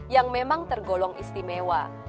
yang memang tergolong istimewa